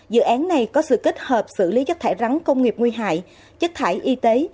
dự án này có sự kết hợp xử lý chất thải rắn công nghiệp nguy hại chất thải y tế